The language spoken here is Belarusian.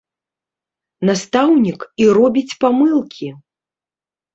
Настаўнік, і робіць памылкі!